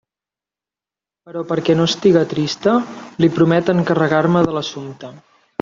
Però perquè no estiga trista, li promet encarregar-me de l'assumpte.